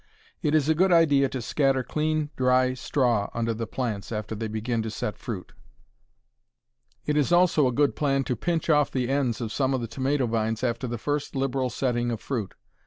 It is a good idea to scatter clean, dry straw under the plants after they begin to set fruit. It is also a good plan to pinch off the ends of some of the tomato vines after the first liberal setting of fruit.